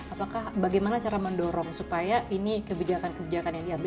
apakah bagaimana cara mendorong supaya ini kebijakan kebijakan yang diambil